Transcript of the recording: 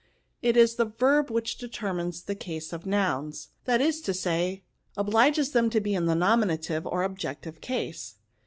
It is the verb which determines the case of nouns ; that is to say, obliges them to be in the nominative or ob jective case."